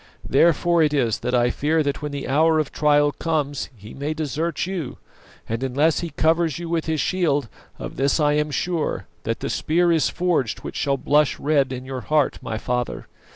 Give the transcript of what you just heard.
Therefore it is that I fear that when the hour of trial comes He may desert you; and unless He covers you with His shield, of this I am sure, that the spear is forged which shall blush red in your heart, my father.